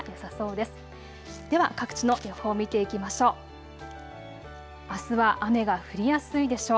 では各地の予報を見ていきましょう。